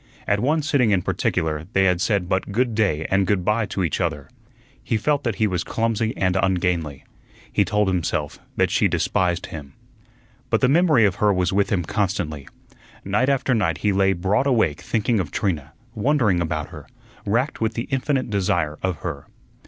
At one sitting in particular they had said but good day and good by to each other. He felt that he was clumsy and ungainly. He told himself that she despised him. But the memory of her was with him constantly. Night after night he lay broad awake thinking of Trina, wondering about her, racked with the infinite desire of her.